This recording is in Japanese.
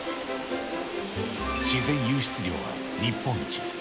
自然湧出量は日本一。